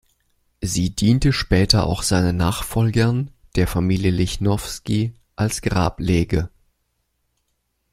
Sie diente später auch seinen Nachfolgern, der Familie Lichnowsky als Grablege.